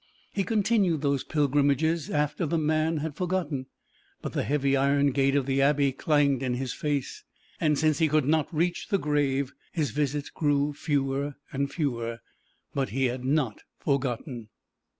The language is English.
He continued those pilgrimages after the man had forgotten, but the heavy iron gate of the Abbey clanged in his face, and since he could not reach the grave his visits grew fewer and fewer. But he had not forgotten.